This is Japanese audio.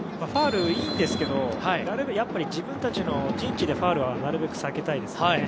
ファウル、いいんですけどやっぱり自分たちの陣地でのファウルはなるべく避けたいですね。